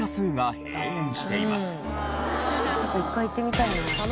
ちょっと１回行ってみたいな。